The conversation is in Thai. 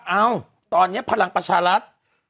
เอ้าตอนนี้พลังประชารัฐ